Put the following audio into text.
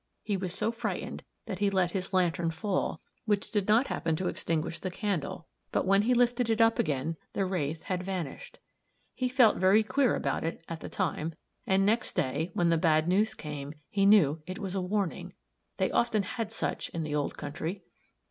He was so frightened that he let his lantern fall, which did not happen to extinguish the candle, but when he lifted it up again, the wraith had vanished. He felt very queer about it, at the time; and next day, when the bad news came, he knew it was a warning. They often had such in the old country.